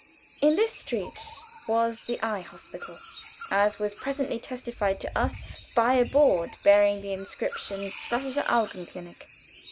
In this street was the Eye Hospital, as was presently testified to us by a board bearing the inscription, "Städtische Augenklinik."